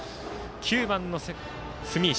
９番の住石。